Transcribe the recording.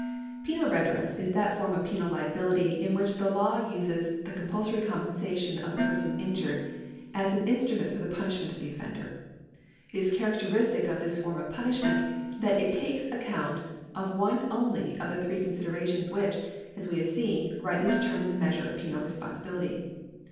Penal redress is that form of penal liability in which the law uses the compulsory compensation of the person injured §151] LIABILITY (CONTINUED) 383 as an instnimout foi the jjuiiisluncnt of the ofTt'iiflcr. It is characteristic of this form of piinislmieiit that it takesaccount of one only of the three considerations which, as we have seen, rightly determine the measure of |)enal res))onsil)ility.